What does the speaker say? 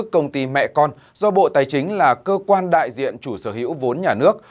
công ty mẹ con do bộ tài chính là cơ quan đại diện chủ sở hữu vốn nhà nước